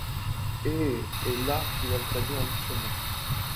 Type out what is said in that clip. Ė est la de l'alphabet en lituanien.